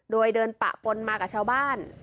โดยเดินปะปนมากับชาวบ้าน